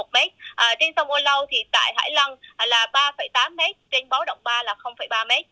trên sông âu lâu thì tại hải lăng là ba tám m trên báo động ba là ba m